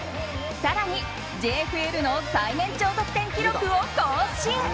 更に、ＪＦＬの最年長得点記録を更新。